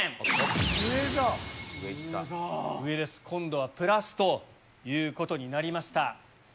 今度はプラスということになりました。